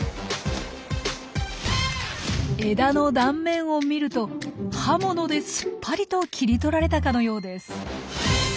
枝の断面を見ると刃物でスッパリと切り取られたかのようです。